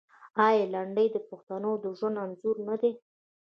آیا لنډۍ د پښتنو د ژوند انځور نه دی؟